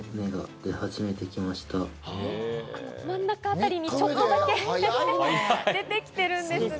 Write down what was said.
真ん中あたりにちょこっとだけ出てきてるんですね。